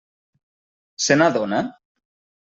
Se n'adona?